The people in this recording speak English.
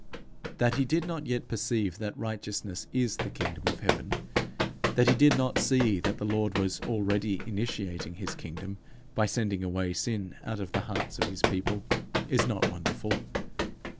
That he did not yet perceive that righteousness is the kingdom of heaven; that he did not see that the Lord was already initiating his kingdom by sending away sin out of the hearts of his people, is not wonderful.